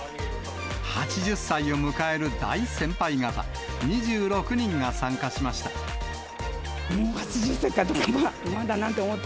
８０歳を迎える大先輩方、２６人が参加しました。